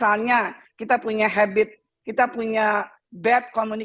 awalsya kita lakukan hal yang benar dan lainnya